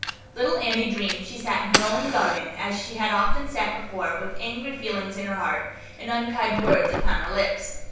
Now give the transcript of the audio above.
Little Annie dreamed she sat in her own garden, as she had often sat before, with angry feelings in her heart, and unkind words upon her lips.